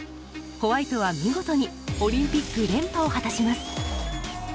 ホワイトは見事にオリンピック連覇を果たします。